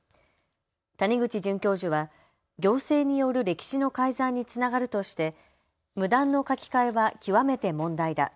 谷口准教授は行政による歴史の改ざんにつながるとして無断の書き換えは極めて問題だ。